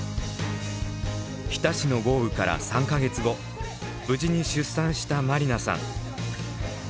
日田市の豪雨から３か月後無事に出産した麻里奈さん。